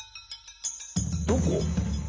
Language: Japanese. どこ？